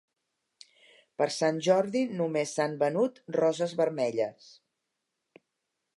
Per Sant Jordi només s'han venut roses vermelles